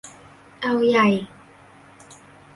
เอาใหญ่